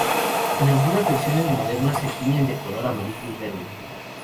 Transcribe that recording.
En algunas versiones modernas se tiñen de color amarillo y verde.